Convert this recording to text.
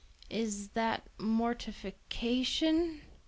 "Is that mortification?"